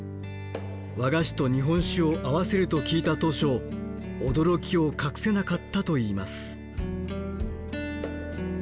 和菓子と日本酒を合わせると聞いた当初驚きを隠せなかったといいます。